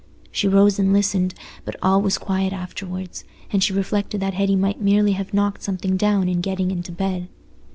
She rose and listened, but all was quiet afterwards, and she reflected that Hetty might merely have knocked something down in getting into bed.